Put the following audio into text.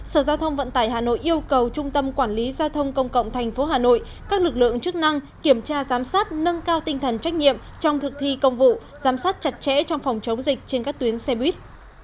sở giao thông vận tải hà nội yêu cầu trung tâm quản lý giao thông công cộng tp hà nội các lực lượng chức năng kiểm tra giám sát nâng cao tinh thần trách nhiệm trong thực thi công vụ giám sát chặt chẽ trong phòng chống dịch trên các tuyến xe buýt